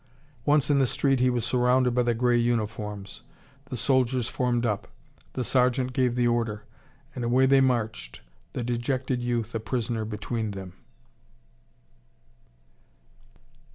Once in the street he was surrounded by the grey uniforms. The soldiers formed up. The sergeant gave the order. And away they marched, the dejected youth a prisoner between them.